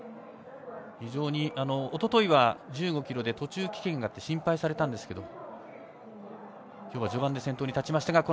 おとといは１５ｋｍで途中棄権があって心配されたんですけども今日は序盤で先頭に立ちました。